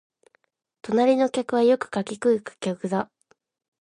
隣の客はよく柿喰う客だ